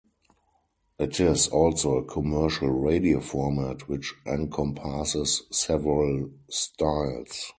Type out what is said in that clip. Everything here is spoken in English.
It is also a commercial radio format which encompasses several styles.